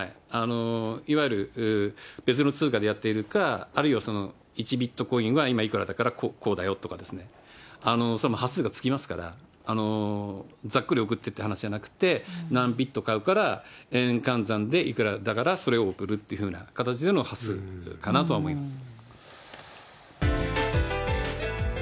いわゆる別の通貨でやっているか、あるいは１ビットコインは今こうだから、こうだよとかね、端数がつきますから、ざっくり送ってって話じゃなくて、何ビット買うから、円換算でいくらだから、それを送るっていうふうな形での端数かなとは思います。